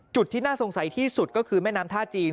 ที่น่าสงสัยที่สุดก็คือแม่น้ำท่าจีน